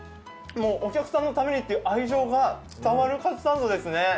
お客さんのためにという愛情が伝わるカツサンドですね。